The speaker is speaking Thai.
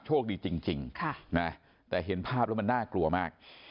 โชคดีจริงแต่เห็นภาพแล้วมันน่ากลัวมาก